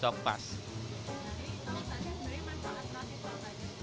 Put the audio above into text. jadi tau tadi dari manfaat terasi soal tadi